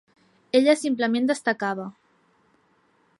Ella simplement destacava.